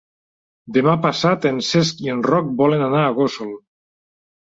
Demà passat en Cesc i en Roc volen anar a Gósol.